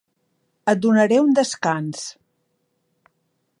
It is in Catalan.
Et donaré un descans.